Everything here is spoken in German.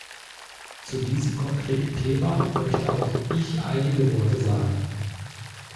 Zu diesem konkreten Thema möchte auch ich einige Worte sagen.